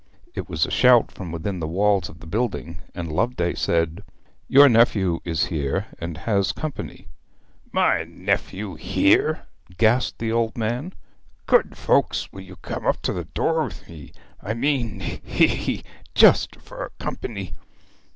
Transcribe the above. It was a shout from within the walls of the building, and Loveday said 'Your nephew is here, and has company.' 'My nephew here?' gasped the old man. 'Good folks, will you come up to the door with me? I mean hee hee just for company!